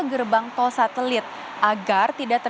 gerbang tol satelit agar tidak